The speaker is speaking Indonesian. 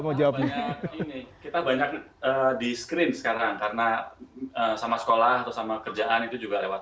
dihidupkan ini kita banyak diskrim sekarang karena sama sekolah atau sama kerjaan itu juga lewat